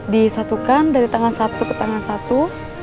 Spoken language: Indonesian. disatukan dari tangan satu ke tangan satu